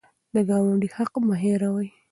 د ګاونډي حق مه هېروئ.